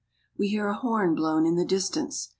We hear a horn blown in the distance.